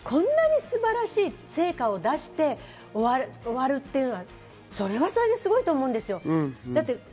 最後の最後にこんなに素晴らしい成果を出して終わるっていうのは、それはそれですごいと思うんですよ。